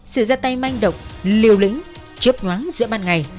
sự ra tay manh động liều lĩnh chiếp ngoáng giữa ban ngày